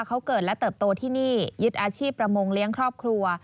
เขาเกิดและเติบโตที่นี่ยึดอาชีพประมงเลี้ยงครอบครัว